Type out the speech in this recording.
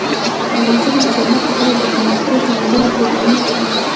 افغانستان کې د چار مغز لپاره دپرمختیا ځانګړي پروګرامونه شته.